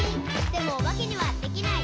「でもおばけにはできない」